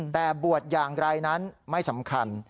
แต่บวชอย่างไรนั้นไม่สำคัญ